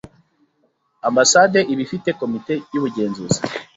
ambasade ibifite komite y’ ubugenzuzi .